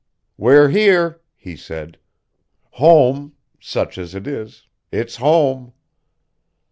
"We're here," he said. "Home such as it is it's home."